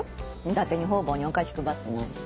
だてに方々にお菓子配ってないし。